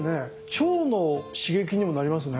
腸の刺激にもなりますね。